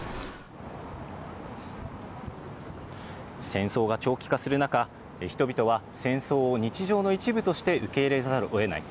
戦争が長期化する中、人々は戦争を日常の一部として受け入れざるをえない。